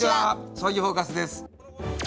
「将棋フォーカス」です。